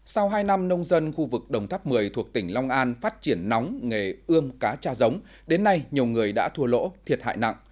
sau hai năm nông dân khu vực đồng tháp một mươi thuộc tỉnh long an phát triển nóng nghề ươm cá cha giống đến nay nhiều người đã thua lỗ thiệt hại nặng